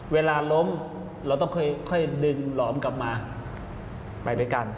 เวลาล้มเราต้องค่อยดึงหลอมกลับมา